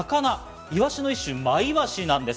イワシの一種、マイワシなんです。